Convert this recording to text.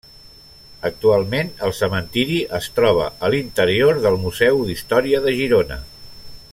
Actualment, el cementiri es troba a l'interior del Museu d'Història de Girona.